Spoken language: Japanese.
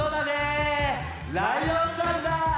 ライオンさんだ！